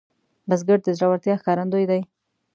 بزګر د زړورتیا ښکارندوی دی